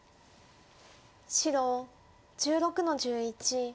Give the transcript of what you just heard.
白１６の十一。